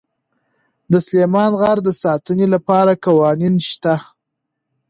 د سلیمان غر د ساتنې لپاره قوانین شته.